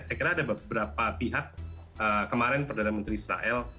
saya kira ada beberapa pihak kemarin perdana menteri israel